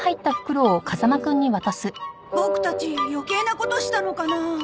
ボクたち余計なことしたのかな？